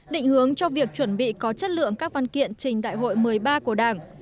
định hướng cho việc chuẩn bị có chất lượng các văn kiện trình đại hội một mươi ba của đảng